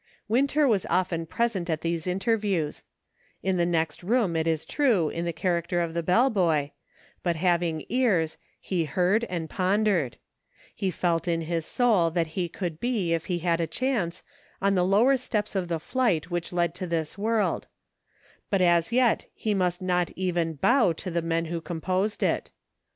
Winter was often present at these interviews ; in the next room, it is true, in the character of the bell boy ; but having ears, he heard, and pondered ; he felt in his soul that he could be, if he had a chance, on the lower steps of the flight which led to this world ; but as yet he must not even bow to the men who composed it.